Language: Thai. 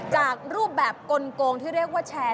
จากรูปแบบกลงที่เรียกว่าแชร์